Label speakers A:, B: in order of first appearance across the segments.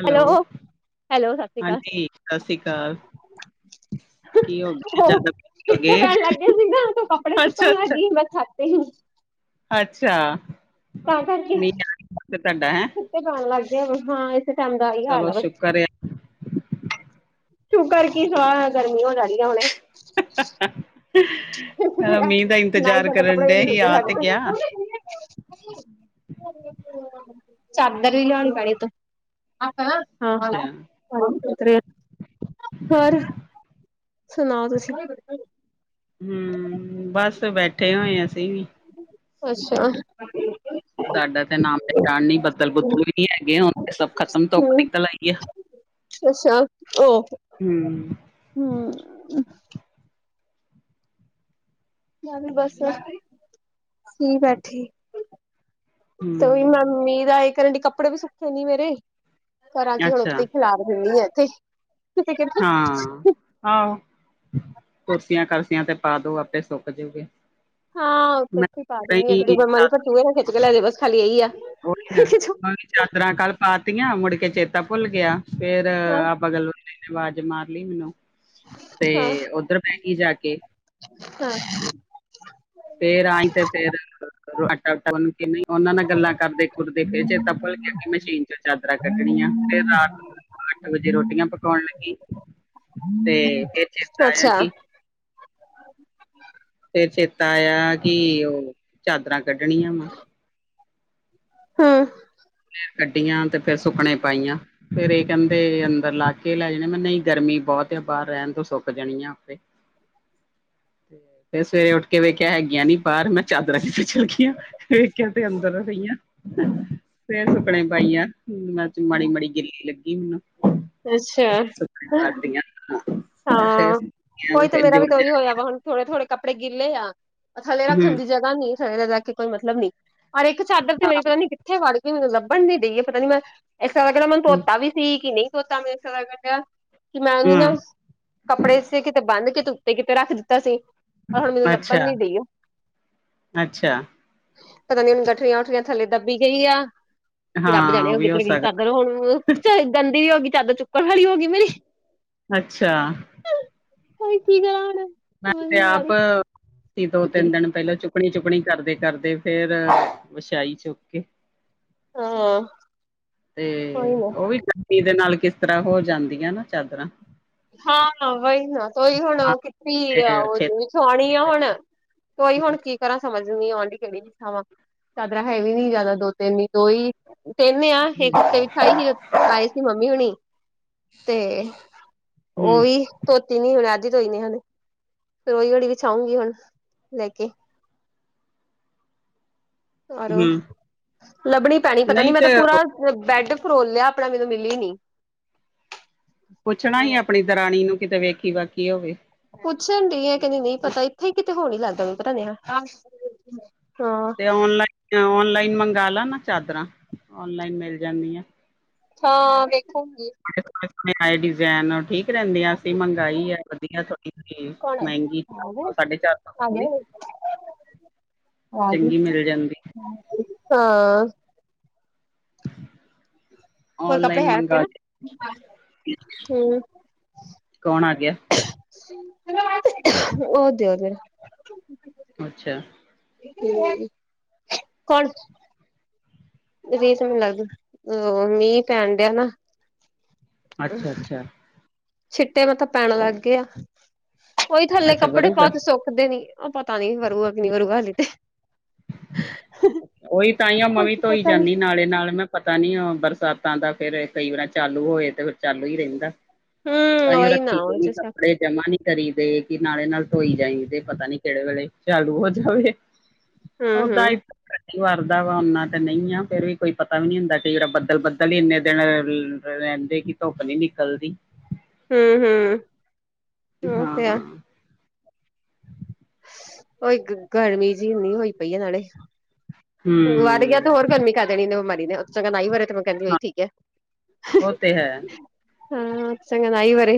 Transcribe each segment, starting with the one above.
A: Hello,
B: hello ਸਤਿ ਸ਼੍ਰੀ ਅਕਾਲ।
A: ਹਾਂਜੀ। ਸਤਿ ਸ੍ਰੀ ਅਕਾਲ। ਕੀ ਗਿਆ
B: ਹੋ
A: ਜ਼ਿਆਦਾ ਹੋ
B: ਛਿੱਟੇ
A: ਗਏ
B: ਪੈਣ ਲੱਗਗੇਏ ਸੀ ਨਾ ਤੇ ਕੱਪੜੇ
A: ਅੱਛਾ
B: ਚੁੱਕਣ ਲੱਗ
A: ਅੱਛਾ
B: ਗਈ ਮੈਂ ਛੱਤ।
A: ਅੱਛਾ। ਮੀਂਹ
B: ਬਾਰਸ਼।
A: ਆ ਤੁਹਾਡਾ ਹੈਂ।
B: ਜਾਣ ਲੱਗ ਗਿਆ ਹਾਂ। ਇਸ ਟਾਈਮ ਦਾ ਇਹੀ
A: ਚਲੋ
B: ਹਾਲ ਆ ਬਸ।
A: ਸ਼ੁਕਰ
B: ਸ਼ੂ ਕਰ ਕੀ ਸੋ ਗਰਮੀ ਹੋ ਜਾ ਰ ਆ ਹੁਣੇ।
A: [unintelligible] ਮੀਂਹ ਦਾ
B: ਨਹੀਂ
A: ਇੰਤਜ਼ਾਰ
B: ਬਦਾ
A: ਕਰਨ
B: ਕਪੜਾ
A: ਡੇ ਹੀ ਆ ਤੇ
B: ਦੇ
A: ਗਿਆ
B: ਸਾਡ [inaudible] ਚਾਦਰ ਵੀ ਲਿਆਉਣੀ ਪਾਣੀ ਤੋਂ? ਹਾਂ- ਹਾਂ
A: ਅੱਛਾ
B: [unintelligible] ਸੁਥਰੇ ਹੋਰ, ਸੁਣਾਓ ਤੁਸੀਂ? [inaudible]
A: ਹਮ, ਬੱਸ ਬੈਠੇ ਹੋਏ ਅਸੀਂ ਵੀ।
B: ਅੱਛਾ।
A: ਸਾਡਾ ਤੇ ਨਾਮ- ਨਿਸ਼ਾਨ ਜਾਣ ਨੀ ਬੱਦਲ- ਬੁੱਦਲ ਵੀ ਨੀ ਹੈਗੇ। ਸਭ ਖਤਮ ਧੁੱਪ ਨਿਕਲ ਆਈ ਆ। [inaudible]
B: ਤੁਸਾ ਉਹ
A: ਹਮ।
B: ਹਮ। ਮ ਬੱਸ, ਸੀ ਬੈਠੀ।
A: ਹੂੰ
B: ਤੂ ਹੀ ਮਮੀ ਦਾ ਇਹ ਕਰਨ ਡ ਕੱਪੜੇ ਵੀ ਸੁੱਖੇ ਨੀ ਮੇਰੇ? ਘਰਾਂ ਚ ਹੁਣ
A: ਅੱਛਾ
B: ਉੱਥੇ ਹੀ ਖਿਲਾਰ ਦੇਂਦੇ, ਇੱਥੇ ਕਿਤੇ ਕਹਿ ਰਹੇ ਹੋ
A: ਹਾਂ
B: ਤੁਸੀਂ।
A: ਆਹੋ- ਕੁਰਸੀਆਂ, ਕਰਸੀਆਂ ਤੇ ਪਾ ਦੋ ਆਪੇ ਸੁੱਕ ਜਾਊਗੇ।
B: ਹਾਂ ਓਥੇ-ਇੱਥੇ ਪਾ ਦਿੰਦੀ ਆ ਤੁਦੀ ਬਿਮਾਰੀ
A: ਹੀ
B: ਪਰ ਤੂ ਖਿੱਚ ਕੇ ਲੈਜ ਬਸ ਖਾਲੀ ਇਹੀ ਆ।
A: ਉਹੀ ਨਾ, ਚਾਦਰਾਂ ਕੱਲ ਪਾਤੀਆਂ! ਮੁੜ ਕੇ ਚੇਤਾ ਭੁੱਲ ਗਿਆ। ਫਿਰ,
B: ਹਾਂ
A: ਆਪ ਬਗਲ ਵਾਲੀ ਨੇ ਆਵਾਜ਼ ਮਾਰਲੀ ਮੈਨੂੰ? ਤੇ ਉੱਧਰ ਬੈ ਗਈ ਜਾ ਕੇ।
B: ਹ [unintelligible]
A: ਫਿਰ ਆਈ ਤੇ, ਫਿਰ ਆਟਾ ਓਟਾ ਗੂਣ ਕੇ, ਨਹੀ ਉਹਨਾ ਨਾਲ ਗੱਲਾਂ ਕਰਦੇ। ਗੁਰ ਦੇ ਫਿਰ ਚੇਤਾ ਭੁੱਲ ਕੇ ਮਸ਼ੀਨ ਚ ਚਾਦਰਾਂ ਕੱਢਣੀਆਂ। ਫਿਰ ਰਾਤ ਨੂੰ? ਰੋਜੀ ਰੋਟੀਆਂ ਪਕਾਉਣ ਲੱਗੀ, ਤੇ ਫਿਰ ਚੇਤਾ ਆਇਆ
B: ਅੱਛਾ
A: ਕਿ, ਫਿਰ ਚੇਤਾ ਆਇਆ। ਕਿ ਉਹ ਚਾਦਰਾਂ ਕੱਢਣੀਆਂ ਵਾ?
B: ਹੂੰ।
A: ਫਿਰ ਕੱਢੀਆਂ, ਤੇ ਫਿਰ ਸੁੱਕਣੇ ਪਾਈਆਂ। ਫਿਰ ਇਹ ਕਹਿੰਦੇ ਅੰਦਰ ਲਾ ਕੇ ਲੈ ਜਾਣੇ, ਮੈਂ ਨਹੀਂ ਗਰਮੀ ਬਹੁਤ ਐ, ਬਾਹਰ ਰਹਿਣ ਦੋ ਸੁੱਕ ਜਾਣੀ ਆਪੇ। ਤੇ? ਫਿਰ ਸਵੇਰੇ ਉੱਠ ਕੇ ਵੇਖਿਆ ਹੈਗੀਆਂ ਨੀ ਬਾਹਰ, ਮੈਂ ਚਾਦਰਾਂ ਕਿਥੇ ਚਲ ਗਈਆਂ? ਵੇਖਿਆ ਤੇ ਅੰਦਰ ਪਈ ਆ। ਫਿਰ ਸੁੱਕਣੇ ਪਾਇਆ। ਅੱਜ ਮਾੜੀ- ਮਾੜੀ ਗਿੱਲੀ ਲੱਗੀ ਹੁਣ।
B: ਅੱਛਾ
A: ਸੁ ਪਾਦੀਆਂ [unintelligible] ਅੱਜ ਫਿਰ
B: ਹਾਂ
A: ਸੁਖੀਆ,
B: ਉਹੀ ਤੇ
A: ਫਿਰ
B: ਮੇਰਾ ਵੀ ਤਾਂ
A: ਜੋੜ-ਜਾੜ
B: ਉਹੀ
A: ਕੇ
B: ਹੋਇਆ ਵਾ
A: ਰੱਖ?
B: ਹੁਣ ਥੋੜੇ -ਥੋੜੇ ਕੱਪੜੇ ਗਿਲੇ ਆ। ਥੱਲੇ
A: ਹੂੰ
B: ਰੱਖਣ ਦੀ ਜਗ੍ਹਾ ਨਹੀਂ। ਥੱਲੇ ਰੱਖ ਕੇ ਕੋਈ ਮਤਲਬ ਨਹੀ। ਪਰ ਇੱਕ ਚਾਦਰ ਤੇ
A: ਹਾਂ
B: ਮੇਰੀ ਪਤਾ ਨੀ ਕਿੱਥੇ ਵੜ ਗਈਏ, ਮੈਨੂੰ ਲੱਭਣ ਨ ਦੇਈਏ ਪਤਾ ਨੀ ਮੈਂ? ਇਸ ਤਰ੍ਹਾਂ ਲਗ ਰਿਹਾ, ਮੈਨੂੰ ਧੋਤਾ ਵੀ ਸੀ। ਕਿ ਨਹੀਂ ਧੋਤਾ, ਮੈਨੂ ਇਸ ਤਰ੍ਹਾਂ ਲਗਦਾ ਪਾਇਆ, ਕਿ ਮੈਂ ਉਹਨੂੰ ਨਾ?
A: ਹੂੰ
B: ਕੱਪੜੇ ਇਸ ਤੇ, ਕਿਤੇ ਬੰਨ ਕੇ ਉੱਤੇ- ਕਿਤੇ ਰੱਖ ਦਿੱਤਾ ਸੀ। ਪਰ ਹੁਣ ਮੈਨੂੰ ਲੱਭਣ
A: ਅੱਛਾ
B: ਨਹੀਂ ਰਹੀ ਓ।
A: ਅੱਛਾ
B: ਪਤਾ ਨੀ, ਹੁਣ ਗਠਣੀਆਂ- ਗੂੱਠਣੀਆਂ ਥੱਲੇ ਦੱਬੀ ਗਈ ਆ। ਕਿ ਰੱਬ
A: ਹਾਂ
B: ਜਾਣੇ, ਉਹ
A: ਵੀ ਹੋ
B: ਕਿੱਧਰ ਗਈ
A: ਸਕਦਾ
B: ਚਾਦਰ ਹੁਣ, ਗੰਦੀ ਵੀ ਹੋ ਗਈ। ਚਾਦਰ ਚੁੱਕਣ ਵਾਲੀ ਹੋ, ਗਈ ਮੇਰੀ।
A: ਅੱਛਾ!
B: ਓ ਕੀ ਕਰਾ ਹੁਣ?
A: ਮੈਂ
B: ਸਮਝ
A: ਤੇ
B: ਨੀ ਆ
A: ਆਪ ਸੀ ਦੋ,
B: ਰਹੀ
A: ਤਿੰਨ ਦਿਨ ਪਹਿਲਾਂ ਚੁੱਕ ਚੁਪਣੀ -ਚੁਪਣੀ, ਕਰਦੇ -ਕਰਦੇ ਫੇਰ ਵਛਾਈ ਚੁੱਕ ਕੇ।
B: ਹਾਂ
A: ਤੇ
B: ਕੋਈ ਨਾ
A: ਉਹ ਵੀ? ਕਿਦੇ ਨਾਲ ਕਿਸ ਤਰ੍ਹਾਂ, ਹੋ ਜਾਂਦੀਆਂ ਨਾ ਚਾਦਰਾਂ।
B: ਹਾਂ। ਵਹੀ ਨਾ ਤੁਈ ਹੁਣ
A: ਹਾਂ ਤੇ
B: ਕਿੱਥੇ ਆ ਉਹ
A: ਛੇਤੀ
B: ਵਸ਼ਸਾਉਣੀ ਆ ਹੁਣ [unintelligible] ਓਈ ਹੁਣ
A: ਹੂੰ
B: ਕੀ ਕਰਾਂ, ਸਮਝ ਨਹੀਂ ਆਉਣ ਦੀ ਕਿੰਨੀ ਕੁ ਖਾਵਾ? ਚਾਦਰਾ ਹੈ ਵੀ ਨਹੀਂ ਜ਼ਿਆਦਾ। ਦੋ -ਤਿੰਨ ਹੀ ਦੋ ਹੀ ਕਹਿੰਨੇ ਆ। ਇਹ ਓਤੇ ਵਿਛਾਹੀ ਹੈ। ਆਏ ਸੀ ਮੰਮੀ ਹੋਣੀ ਤੇ। ਓ ਈ। ਧੋਤੀ ਨਈ, ਓ ਅੱਜ, ਧੋਈ ਨੇ ਹੁਣ। ਓਹੀ ਹੀ, ਵਿਛਾਉਂਗੀ ਹੁਣ ਲੈ ਕੇ। ਆਰੋ!
A: ਹੂੰ
B: ਲੱਭਣੀ ਪੈਣੀ, ਪਤਾ
A: ਨਹੀਂ
B: ਨੀ, ਮੈਂ
A: ਤੇ
B: ਤਾਂ ਪੂਰਾ। ਬੈਡ ਫਰੋਲ ਲਿਆ ਆਪਣਾ, ਮੈਨੂੰ ਮਿਲੀ ਨਹੀਂ?
A: ਪੁੱਛਣਾ ਹੀ ਆਪਣੀ ਦਰਾਣੀ ਨੂੰ, ਕਿਤੇ ਵੇਖੀ -ਵਾਖੀ ਹੋਵੇ।
B: ਪੁੱਛਣ ਦੀ ਐ, ਕਹਿੰਦੀ ਨਹੀਂ ਪਤਾ। ਇੱਥੇ ਹੀ ਕਿਤੇ ਹੋਣ ਨੀ ਲੱਗਦਾ ਪਤਾ ਨਹੀਂ?
A: ਤੇ ਔਨਲਾਈਨ- ਤੇ ਔਨਲਾਈਨ ਮੰਗਾ ਲਾ ਨਾ ਚਾਦਰਾਂ, ਔਨਲਾਈਨ ਮਿਲ ਜਾਂਦੀਆਂ।
B: ਹਾਂ, ਵੇਖੂਗੀ।
A: ਣੇ ਆਏ ਡਿਜ਼ਾਇਨ ਠੀਕ [unintelligible] ਕਰਹਿੰਦੇ ਅਸੀਂ ਮੰਗਾਈ ਹੈ। ਵਧੀਆ ਥੋੜੀ ਹੀ
B: ਕੌਣ
A: ਮਹਿੰਗੀ ਚਾਰ
B: ਆ ਗਏ
A: ਸੌ ਸਾਢੇ ਚਾਰ
B: ਆ
A: ਸੌ ਦੀ।
B: ਗਏ ਆ ਗਈ
A: ਚੰਗੀ ਮਿਲ ਜਾਂਦੀ।
B: ਹਾਂ। ਹੋਰ ਕੱਪੜੇ
A: ਔਨਲਾਈਨ
B: ਹੈ ਉੱਥੇ
A: ਮੰਗਾਲ
B: ਨਾ ਹੂੰ
A: ਕੌਣ ਆ ਗਿਆ?
B: ਉਹਦੇ- ਉਹਦੇ।
A: ਅੱਛਾ।
B: ਕੋਣ? ਰੀ ਤਾਂ ਮੈਨੂੰ ਲੱਗਦਾ। ਮੀਂਹ, ਪੈਣ ਠਿਆ ਨਾ।
A: ਅੱਛਾ ਅੱਛਾ
B: ਛਿੱਟੇ, ਮਤਲਬ ਪੈਣ, ਲੱਗ ਗਏ ਆ। ਉਹੀ, ਥੱਲੇ
A: ਅੱਛਾ
B: ਕੱਪੜੇ
A: ਵਰੂਗਾ
B: ਪਾਹੁ, ਤੇ ਸੁੱਕਦੇ ਨੀ। ਉਹ ਪਤਾ ਨੀ ਵਰੂ।
A: ਉਹੀ, ਤਾਂਹੀ ਉਂ
B: ਕੁਛ
A: ਮੈਂਵੀ, ਧੋਈ
B: ਪਤਾ ਨੀ
A: ਜਾਂਦੀ, ਨਾਲੇ ਨਾਲ ਮੈਂ। ਪਤਾ ਨੀ, ਓਹ ਬਰਸਾਤਾਂ ਦਾ, ਫੇਰ ਐਦਾ ਹੀ, ਹੋ ਰਿਹਾ ਚਾਲੂ ਹੋਏ ਤੇ ਫੇਰ, ਚਾਲੂ ਹੀ ਰਹਿੰਦਾ।
B: ਹੂੰ
A: ਤਾਂਹੀ, ਉਹ
B: ਉਹੀ ਨਾ
A: ਰੱਖੀ, ਗਈ ਕੱਪੜੇ। ਜਮਾ ਨੀ ਕਰੀ ਦੇ, ਕਿ ਨਾਲੇ- ਨਾਲ, ਧੋਈ ਜਾਈ ਦੇ। ਪਤਾ ਨੀ ਕਿਹੜੇ ਵੇਲੇ ਚਾਲੂ, ਹੋ ਜਾਵੇ। ਓਦਾਂ
B: ਹੂੰ-ਹੂੰ,
A: ਹੀ। ਮੀਂ, ਵਾਰਦਾ ਵਾ, ਓਨਾ ਤੇ ਨਹੀਂ ਆ। ਫੇਰ ਵੀ, ਕੋਈ ਪਤਾ ਵੀ, ਨੀ ਹੁੰਦਾ। ਕਿਰਾ ਬੱਦਲ, ਬੱਦਲ ਹੀ ਇੰਨੇ ਦਿਨ। ਰਹਿੰਦੇ ਕਿ, ਧੁੱਪ ਨੀ ਨਿਕਲਦੀ।
B: ਹੂੰ- ਹੂੰ।
A: ਹਾਂ, ਹਾਂ।
B: ਉ ਗਰਮੀ, ਜਿਹੀ ਇਨੀ ਹੋਈ ਪਈ ਹੈ। ਨਾਲੇ।
A: ਹੂੰ
B: ਵਰ ਗਿਆ ਤੇ, ਹੋਰ ਗਰਮੀ ਕਰ ਦੇਣੀ। ਇਨੇ ਬਮਾਰੀ ਨੇ, ਉਤੋਂ ਚੰਗਾ ਨ ਵਰੇ, ਤੇ ਮੈਂ, ਕਹਿੰਦੀ ਉਹੀ ਠੀਕ ਹੈ।
A: ਓ, ਤੇ, ਹੈ।
B: ਹੂੰ, ਚੰਗਾ ਨਾਈ ਵਰੇ।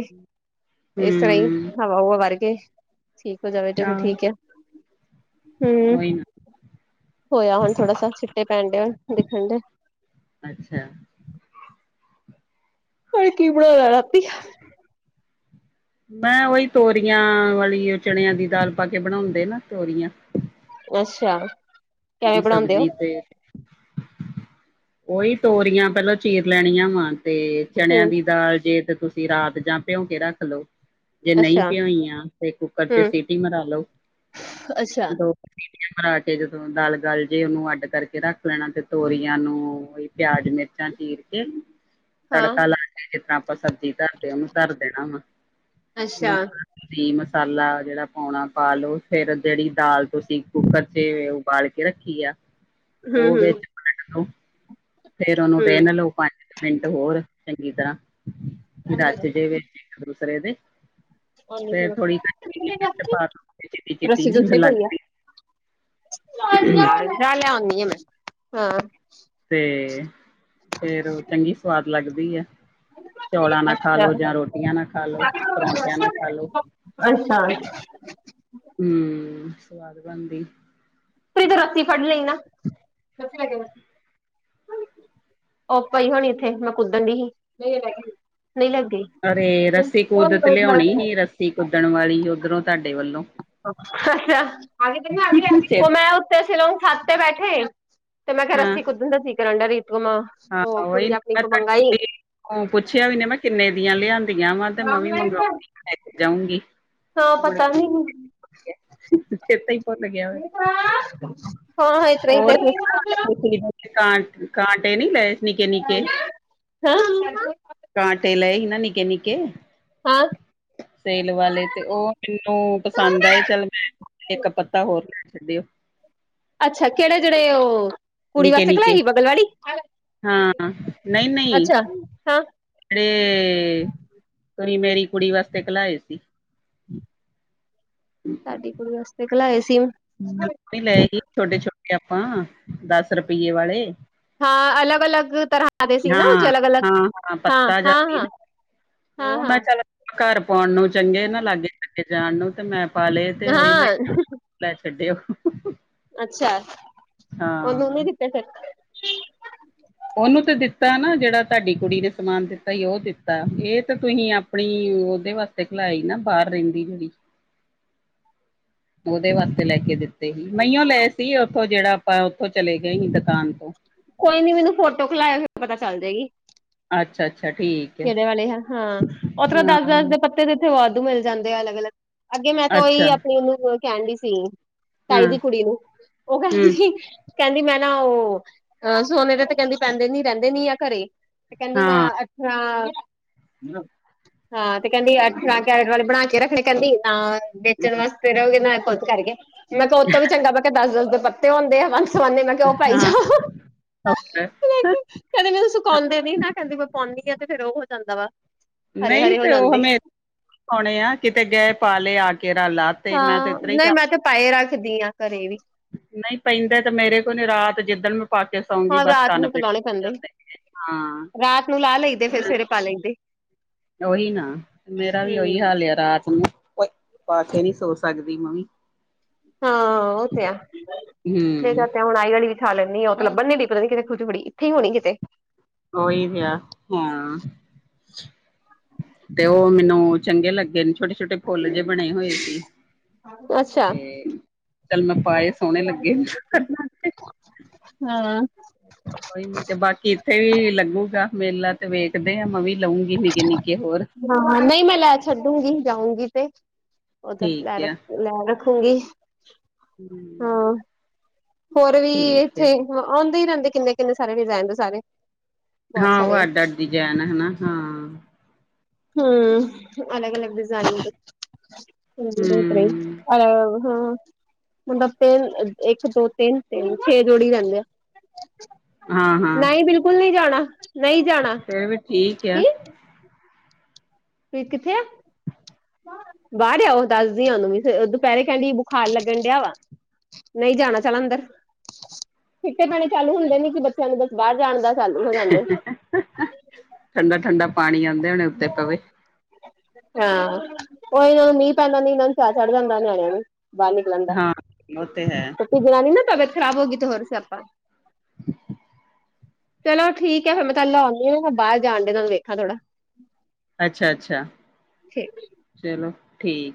B: ਇਸ ਤਰਾਂ ਹੀ,
A: ਹੂੰ,
B: ਹਵਾ-ਹੁਵਾ, ਵਰ ਜੇ। ਠੀਕ ਹੋ, ਜਾਵੇ ਤੇ, ਫੇਰ
A: ਆਹੋ
B: ਠੀਕ ਆ। ਹੂੰ,
A: ਉਹੀ
B: ਹੋਇਆ ਹੁਣ। ਥੋੜਾ ਸਾ, ਛਿੱਟੇ ਪੈਣ। ਡ ਦੇਖਣ ਡੇ।
A: ਅੱਛਾ।
B: ਹੋਰ, ਕੀ ਬਣਾਇਆ ਰਾਤੀ?
A: ਮੈਂ ਉਹੀ, ਤੋਰੀਆਂ ਵਾਲੀ, ਉਹ ਚਣਿਆਂ ਦੀ ਦਾਲ, ਪਾ ਕੇ ਬਣਾਉਂਦੇ ਨਾ ਤੋਰੀਆਂ।
B: ਅੱਛੇਆ।
A: [inaudible] ਸਬਜ਼ੀ ਤੇ ਉਹੀ ਤੋਰੀਆਂ, ਪਹਿਲਾਂ ਚੀਰ ਲੈਣੀਆਂ ਵਾ। ਤੇ ਚਣਿਆਂ
B: ਹੂੰ
A: ਦੀ ਦਾਲ, ਜੇ, ਤਾਂ ਤੁਸੀਂ, ਰਾਤ ਜਾਂ ਭਿਉਂ ਕੇ ਰੱਖ ਲਓ। ਜੇ ਨਹੀਂ
B: ਅੱਛਾ
A: ਪਿਓਈਆਂ ਤੇ, ਕੁੱਕਰ
B: ਹੂੰ
A: ਚ, ਸੀਟੀ ਮਰਾ ਲੋ।
B: ਅੱਛਾ
A: ਦੋ [unintelligible] [inaudible] ਸੀਟੀਆਂ, ਮਰਾ ਕੇ। ਜਦੋਂ, ਦਾਲ ਗਲਜੇ ਉਹਨੂੰ ਅੱਡ ਕਰਕੇ ਰੱਖ ਲੈਣਾ। ਤੇ, ਤੋਰੀਆਂ ਨੂੰ ਪਿਆਜ, ਮਿਰਚਾਂ ਚੀਰ ਕੇ ਮ [inaudible]
B: ਹਾਂ
A: ਤੜਕਾ ਲਾ ਕੇ, ਜਿਨਾ ਆਪਾਂ ਸਬਜ਼ੀ ਧਰਦੇ, ਉਹਨੂੰ ਧਰ ਦੇਣਾ ਵਾ। ਲੂ
B: ਅੱਛਾ
A: ਹਲਦੀ, ਮਸਾਲਾ, ਜਿਹੜਾ ਪਾਉਣਾ ਪਾ ਲਓ। ਫੇਰ ਜਿਹੜੀ ਦਾਲ ਤੁਸੀਂ ਕੁੱਕਰ ਚੇ ਬਾਲ‌ ਕੇ ਰੱਖੀ ਆ।
B: ਹੂੰ
A: ਉਹ
B: ਹੂੰ
A: ਵਿੱਚ ਪਲਟ ਦੋ। ਫੇਰ ਉਹਨੂੰ, ਰਹਿਨ ਲਓ ਪੰਜ ਕ ਮਿੰਟ ਹੋਰ, ਚੰਗੀ ਤਰਾਂ। ਕੀ ਰਚ ਜਵੇ। [unintelligible]
B: ਹੂੰ ਰੱਸੀ ਤੇ ਉੱਤੇ ਪਈ ਆ
A: [unintelligible]
B: [unintelligible]
A: ਤੇ, ਫੇਰ ਉਹ, ਚੰਗੀ ਸਵਾਦ ਲੱਗਦੀ ਆ। ਚੌਲਾਂ ਨਾ ਖਾ
B: ਅੱਛਾ
A: ਲੋ, ਜਾਂ ਰੋਟੀਆਂ ਨਾ ਖਾ ਲੋ, ਪਰੌਂਠਿਆਂ ਨਾ ਖਾ ਲੋ।
B: ਅੱਛਾ।
A: ਹੂੰ। ਸਵਾਦ ਬਣਦੀ।
B: [unintelligible] ਓ ਪਈ ਹੋਣੀ ਇੱਥੇ। ਮੈਂ ਕੁੱਦਣ ਦਈ। ਸੀ ਨਹੀਂ ਲੱਗੀ।
A: ਅਰੇ ਰੱਸੀ, ਕੁਦਤ ਲਿਆਉਣੀ ਸੀ। ਰੱਸੀ ਕੁਦਣ ਵਾਲੀ, ਓਧਰੋਂ, ਤੁਹਾਡੇ ਵੱਲੋਂ।
B: ਅੱਛਾ,
A: ਸੇਬ
B: ਉਹ ਮੈਂ ਉੱਤੇ ਸਿਲੋਂਗ ਖਥ ਤੇ ਬੈਠੇ ਤੇ ਮੈਂ ਕਿਹਾ
A: ਹਾਂ,
B: ਅੱਸੀ ਕੁੱਦਣ ਦਾ ਕੀ ਕਰਨ ਡ ਰੀਤ ਮ
A: ਹਾਂ
B: ਉਹ
A: ਉਹੀ
B: ਕੁੜੀ
A: ਨਾ,
B: ਆਪਣੀ
A: ਮੈਂ
B: ਕੋਲ
A: ਤੁਹਾਡੀ
B: ਮੰਗਾਈ।
A: ਕੁੜੀ ਉਹ ਪੁੱਛਿਆ ਵੀ ਨੇ ਮੈਂ ਕਿਨੇ ਦੀਆਂ ਲਿਆਂ ਗਿਆ ਵਾਂ ਤੇ ਮੈਂ ਵੀ ਮੰਗਉਂਗੀ
B: ਹਾਂ
A: ਲੈ ਕੇ ਜਾਊਂਗੀ।
B: ਪਤਾ
A: ਮੁੜਕੇ ਚੇਤਾ ਹੀ ਭੁਲ ਗਿਆ
B: ਨਹੀਂ ਹਾਂ ਇਤਰਾ
A: ਹੋਰ
B: ਹੀ
A: ਕਾਂਟ ਕਾਂਟੇ ਨੀ ਲਏ? ਨਿੱਕੇ-ਨਿੱਕੇ
B: [inaudible]
A: ਕਾਂਟੇ ਲਏ ਹਿ ਨਾਂ ਨਿਕੇ-ਨਿਕੇ
B: ਹਾਂ
A: ਸੇਲ ਵਾਲੇ ਤੇ ਉਹ ਮੈਨੂੰ ਪਸੰਦ ਆਏ ਚੱਲ ਮੈਂ ਇੱਕ ਪੱਤਾ ਹੋਰ ਲੈ ਛਡੇਓ।
B: ਅੱਛਾ ਕਿਹੜੇ ਜਿਹੜੇ ਉਹ ਕੁੜੀ ਵਾਸਤੇ
A: ਨਿੱਕੇ-ਨਿੱਕੇ
B: ਕਲਾਏਗੀ ਬਗਲਵਾੜੀ?
A: ਹਾਂ
B: ਅੱਛਾ ਹਾਂ
A: [unintelligible] ਤੂਰੀ ਮੇਰੀ ਕੁੜੀ ਵਾਸਤੇ ਕਲਾਏ ਸੀ।
B: ਸਾਡੀ ਕੁੜੀ ਵਾਸਤੇ ਕਲਾਏ ਸੀ।
A: ਛੋਟੇ-ਛੋਟੇ ਆਪਾਂ ਦਸ ਰੁਪਈਏ ਵਾਲੇ।
B: ਹਾਂ ਅਲੱਗ-ਅਲੱਗ ਤਰ੍ਹਾਂ ਦੇ ਸੀ ਨਾ ਉ ਛ
A: ਹਾਂ
B: ਅਲੱਗ-ਅਲੱਗ,
A: ਹਾਂ ਹਾਂ ਪੱਤਾ ਜਾ ਸੀ
B: ਹਾਂ-ਹਾਂ-ਹਾਂ।
A: ਨਾ ਤੇ ਉਹ ਮੈਂ ਚੱਲ ਘਰ ਪਾਉਣ ਨੂੰ ਚੰਗੇ ਨਾ ਲਾਗੇ-ਲਗੇ ਜਾਣ ਨੂੰ ਤੇ ਮੈਂ ਪਾ ਲਏ ਤੇ ਉਹੀ ਮੈਂ
B: ਹਾਂ
A: ਲੈ ਛੱਡੇਓ।
B: ਅੱਛਾ, ਉਹਨੂੰ ਨੀ
A: ਹਾਂ
B: ਦਿੱਤੇ ਫਿਰ?
A: ਉਹਨੂੰ ਤਾਂ ਦਿੱਤਾ ਨਾ ਜਿਹੜਾ ਤਾਡੀ ਕੁੜੀ ਨੇ ਸਮਾਨ ਦਿੱਤਾ ਸੀ ਉਹ ਦਿੱਤਾ, ਇਹ ਤਾਂ ਤੁਸੀਂ ਆਪਣੀ ਉਹਦੇ ਵਾ ਤੇ ਕਲਾਈ ਨਾ ਬਾਹਰ ਰਹਿੰਦੀ ਜਿਹੜੀ। ਉਹਦੇ ਵਾਸਤੇ ਲੈ ਕੇ ਦਿੱਤੇ ਸੀ ਮਈਓ ਲਏ ਸੀ ਉੱਥੋਂ ਜਿਹੜਾ ਆਪਾਂ ਉੱਥੋਂ ਚਲੇ ਗਏ ਸੀ ਦੁਕਾਨ ਤੋਂ।
B: ਕੋਈ ਨੀ ਮੈਨੂੰ ਫੋਟੋ ਖਿਲਾਇਓ ਫੇਰ ਪਤਾ ਚੱਲ ਜੇਗੀ।
A: ਅੱਛਾ-ਅੱਛਾ, ਠੀਕ। ਹੈ
B: ਕਿਹੜੇ ਵਾਲੇ ਆ ਹਾਂ, ਔਦਰੋ ਦਸ-ਦਸ
A: ਹਾਂ
B: ਦੇ ਪੱਤੇ ਤੇ ਇੱਥੇ ਵਾਧੂ ਮਿਲ ਜਾਂਦੇ ਆ ਅਲੱਗ-ਅਲੱਗ। ਅੱਗੇ ਮੈਂ ਤਾਂ ਉਹੀ
A: ਅੱਛਾ
B: ਆਪਣੀ ਉਹਨੂੰ ਕੈਣ ਦੀ ਸੀ। ਤਾਈ
A: ਹਾਂ
B: ਦੀ ਕੁੜੀ ਨੂੰ, ਔਹੋ
A: ਹੂੰ,
B: ਹੀ-ਹੀ ਕਹਿੰਦੀ ਮੈਂ ਨਾ ਉਹ ਸੋਨੇ ਦੇ ਤੇ ਕਹਿੰਦੀ ਪੈਂਦੇ ਨੀ ਰਹਿੰਦੇ ਨੀ ਆ ਘਰੇ ਤੇ ਕਹਿੰਦੀ ਮੈਂ
A: ਹਾਂ,
B: ਅਠਾਂ ਹਾਂ ਤੇ ਕਹਿੰਦੀ [unintelligible] ਬਣਾ ਕੇ ਰੱਖਣੇ ਕਹਿੰਦੀ ਤਾਂ ਵੇਚਣ ਵਾਸਤੇ ਰਹੋਗੇ ਨਾ ਖੁੱਦ ਕਰਕੇ, ਮੈਂ ਕਿਹਾ ਉਤੋਂ ਵੀ ਚੰਗਾ ਮੈਂ ਕਿਹਾ ਦਸ-ਦਸ ਦੇ ਪੱਤੇ ਹੁੰਦੇ ਆ। ਸੋਨੇ ਮੈਂ ਕਿਹਾ ਉਹ ਪਾਈ
A: ਹਾਂ
B: ਜਾਓ,
A: ਓਕੇ
B: ਕਹਿੰਦੇ ਮੈਨੂੰ ਸੁਕਾਉਂਦੇ ਨਈ ਨਾ ਕਹਿੰਦੇ ਪਾਉਂਦੀ ਆ ਤੇ ਫੇਰ ਉਹ ਹੋ ਜਾਂਦਾ ਵਾ। ਹਰੇ
A: ਨਹੀਂ
B: ਹਰੇ ਹੋ
A: ਤੇ ਉਹ
B: ਜਾਂਦੇ
A: ਹਮੇ ਪਾਉਣੇ ਆ ਕਿਤੇ ਗਏ ਪਾ ਲਏ ਆ ਕੇ ਰਾਲਾਤ
B: ਹਾਂ ਨਹੀਂ ਮੈਂ ਤੇ ਪਾਏ ਰੱਖਦੀ ਹਾਂ ਘਰੇ ਵੀ।
A: ਨਹੀਂ ਪੈਂਦੇ ਤੇ ਮੇਰੇ ਕੋਲ ਨੀ ਰਾਤ ਜਿੱਦਣ ਮੈਂ ਪਾ ਕੇ ਸਉਂਗੀ
B: ਹਾਂ
A: ਬੱਸ
B: ਰਾਤ
A: ਕਨ
B: ਨੂੰ ਤੇ
A: ਪੀੜ
B: ਲਾਉਣੇ ਪੈਂਦੇ
A: [unintelligible] ਹਾਂ।
B: ਰਾਤ ਨੂੰ ਲਾਹ ਲਈਦੇ ਫਿਰ ਸਵੇਰੇ ਪਾ ਲੈਂਦੇ।
A: ਓਹੀ ਨਾ ਮੇਰਾ ਵੀ ਓਹੀ
B: ਹੂੰ
A: ਹਾਲ ਆ ਰਾਤ ਨੂੰ ਕੋ ਪਾਕੇ ਨਹੀਂ ਸੋ ਸਕਦੀ ਮੈਵੀ।
B: ਹਾਂ, ਉਹ ਤੇ ਹੈ।
A: ਹੂੰ
B: ਹੁਣ ਅਹੀ ਵਾਲੀ ਖਾ ਲੈਂਣੀ ਆ, ਉਹ ਤਾਂ ਲੱਭਣ ਨਹੀਂ ਡਈ ਪਤਾ ਨ ਕਿਤੇ ਖੂਹ ਚ ਇਥੇ ਹੀ ਹੋਣੀ ਕਿਤੇ।
A: ਉਹੀ ਵੀ ਆ ਹਮ। ਤੇ ਔ ਮੈਨੂੰ ਚੰਗੇ ਲੱਗੇ ਨੇ ਛੋਟੇ-ਛੋਟੇ ਫੁੱਲ ਜੇ ਬਣੇ ਹੋਏ ਸੀ।
B: ਅੱਛ
A: ਤੇ ਚੱਲ ਮੈਂ ਪਾਏ ਸੋਣੇ ਲੱਗੇ।
B: ਹਾਂ।
A: ਔਹੀ ਮੈਂ ਕਿਹਾ ਬਾਕੀ ਇੱਥੇ ਵੀ ਲੱਗੂਗਾ ਮੇਲਾ ਤੇ ਵੇਖਦੇ ਆਂ ਮੈਂ ਵੀ ਲਊਂਗੀ ਨਿੱਕੇ-ਨਿੱਕ
B: ਹਾਂ, ਨਹੀਂ ਮੈਂ ਲੈ ਛੱਡੂਗੀ ਜਾਊਗੀ ਤੇ ਔਧਰ ਲੈ
A: ਠੀਕ ਆ
B: ਰੱਖ ਲੈ ਰੱਖੂੰਗੀ।
A: ਹੂੰ।
B: ਹੋਰ ਵੀ
A: ਠੀਕ ਹੈ
B: ਇੱਥੇ ਆਉਂਦੇ ਹੀ ਰਹਿੰਦੇ ਕਿੰਨੇ-ਕਿੰਨੇ ਸਾਰੇ ਡਜ਼ਾਇਨ ਤੇ ਸਾਰੇ। ਬਹੁਤ
A: ਹਾਂ ਉਹ
B: ਸਾਰੇ ਆ
A: ਅੱਡ-ਅੱਡ ਡੀਜਾਇਣ ਹੈ ਨਾ ਹਾਂ।
B: ਹੂੰ, ਅਲਗ-ਅਲਗ ਡਿਜ਼ਾਈਨ ਦੇ [unintelligible]
A: ਹੂੰ
B: ਹੈਲੋ। ਨੱਬੇ ਇੱਕ ਦੋ ਤਿੰਨ ਛੇ ਜੋੜੀ ਰਹਿੰਦੇ ਆਂ।
A: ਹਾਂ ਹਾਂ
B: ਨਹੀਂ, ਬਿਲਕੁਲ ਨੀ ਜਾਣਾ, ਨਹੀਂ ਜਾਣਾ
A: ਫੇਰ ਵੀ ਠੀਕ ਆ
B: ਕੀ? ਤੁਸੀ ਕਿੱਥੇ ਆ? ਬਾਰਰ ਆਉ ਦੱਸਦੀ ਆ ਤੁਹਾਨੂੰ ਵੀ ਫੇਰ ਦੁਪਹਿਰੇ ਕੈੰਦੀ ਬੁਖਾਰ ਲੱਗਣ ਡਿਆ ਵਾ। ਨਹੀਂ ਜਾਣਾ ਚਲ ਅੰਦਰ, ਚਿੱਟੇ ਪੈਣੇ ਚਾਲੂ ਹੁੰਦੇ ਨੀ ਕਿ ਬੱਚਿਆਂ ਨੂੰ ਬੱਸ ਬਾਹਰ ਜਾਣ ਦਾ। ਚਾਲੂ ਹੋ ਜਾਂਦਾ
A: ਠੰਡਾ-ਠੰਡਾ ਪਾਣੀ ਆਂਦੇ ਹੋਣੇ ਉੱਤੇ ਤਵੇ।
B: ਹਾਂ, ਓਹ ਇਨਾਂ ਨੂੰ ਮੀਂਹ ਪੈਂਣ ਦਾ ਇਨਾਂ ਨੂੰ ਚਾਅ ਚੜ ਜਾਂਦਾ ਨਿਆਣਿਆਂ ਨੂੰ। ਬਾਰਰ ਨਿਕਲਣ ਦਾ
A: ਹਾਂ ਉਹ ਤੇ ਹੈ
B: ਇਕ ਕਰਾਲੀ ਨਾ ਤਬੀਅਤ ਖਰਾਬ ਹੋ ਗਈ ਤੇ ਹੋਰ ਸਿਆਪਾਂ। ਚਲੋ ਠੀਕ ਹੈ ਫੇਰ ਮੈਂ ਕਲ ਲਵਾਣੀ ਆਂ ਬਾਰ ਜਾਣ ਡੇ ਜਦੋ ਵੇਖਾਂ ਥੋੜਾ।
A: ਅੱਛਾ-ਅੱਛਾ,
B: ਠੀਕ
A: ਚਲੋ ਠੀਕ।